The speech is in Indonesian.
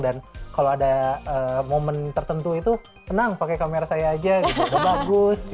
dan kalau ada momen tertentu itu tenang pakai kamera saya aja udah bagus